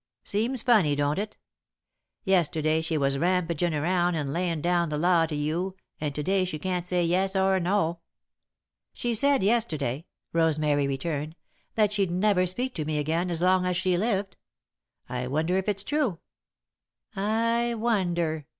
Seems funny, don't it? Yesterday she was rampagin' around and layin' down the law to you, and to day she can't say yes or no." "She said yesterday," Rosemary returned, "that she'd never speak to me again as long as she lived. I wonder if it's true!" "I wonder!"